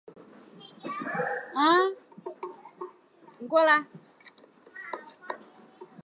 学生要在企业里来完成实习部分课程。